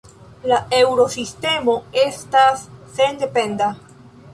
La Eŭrosistemo estas sendependa.